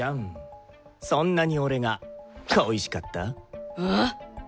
そんなに俺が恋しかった？あ！？